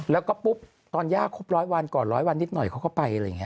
แล้วก็ปุ๊บตอนย่าครบร้อยวันก่อนร้อยวันนิดหน่อยเขาก็ไปอะไรอย่างนี้